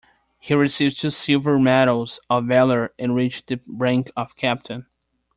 He received two silver medals of valor and reached the rank of captain.